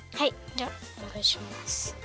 じゃおねがいします。